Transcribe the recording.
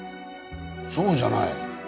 そうじゃない。